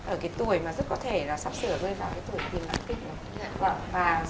ở cái tuổi mà rất có thể là sắp sửa rơi vào cái tuổi tiên bản kích